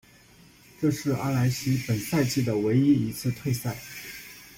这是阿莱西本赛季的唯一一次退赛。